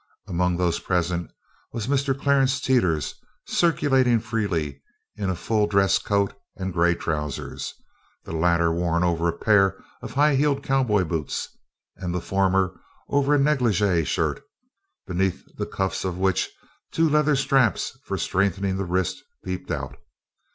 "Among those present" was Mr. Clarence Teeters, circulating freely in a full dress coat and gray trousers the latter worn over a pair of high heeled cowboy boots and the former over a negligee shirt, beneath the cuffs of which two leather straps for strengthening the wrists peeped out.